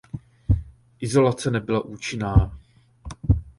Izolace nebyla účinná.